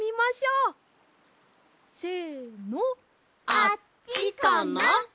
あっちかな？